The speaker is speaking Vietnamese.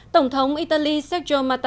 tổng thống italy sergio matalini